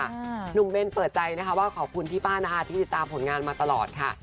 หนุ่มเบนเปิดใจนะคะว่าขอบคุณพี่ป้านะคะที่ติดตามผลงานมาตลอดค่ะ